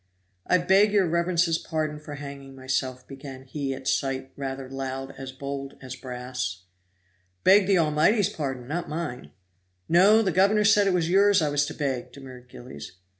"I beg your reverence's pardon for hanging myself," began he at sight, rather loud and as bold as brass. "Beg the Almighty's pardon, not mine." "No! the governor said it was yours I was to beg," demurred Gillies.